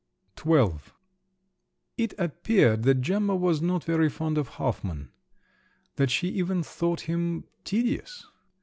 XII It appeared that Gemma was not very fond of Hoffmann, that she even thought him … tedious!